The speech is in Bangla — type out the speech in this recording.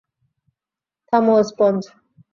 থামো, স্পঞ্জ।